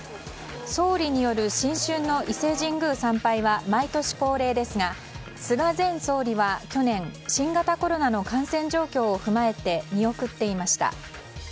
総理による新春の伊勢神宮参拝は毎年恒例ですが菅前総理は去年新型コロナの感染状況を踏まえて見送っていました。